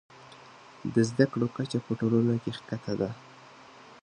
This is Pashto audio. د زده کړو کچه په ټولنه کې ښکته ده.